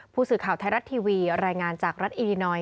ผู้สื่อข่าวไทยรัฐทีวีรายงานจากรัฐอิรีนอย